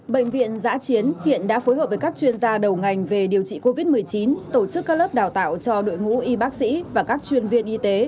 bệnh viện giã chiến hiện đã phối hợp với các chuyên gia đầu ngành về điều trị covid một mươi chín tổ chức các lớp đào tạo cho đội ngũ y bác sĩ và các chuyên viên y tế